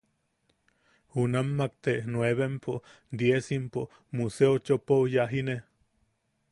Junamakte nuevempo diesiempo Museo chopou yajine.